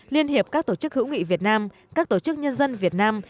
liên hiệp các tổ chức hữu nghị việt nam các tổ chức nhân dân việt nam